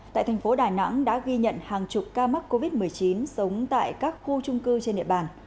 tại thành phố đà nẵng đã ghi nhận hàng chục ca mắc covid một mươi chín sống tại các khu trung cư trên địa bàn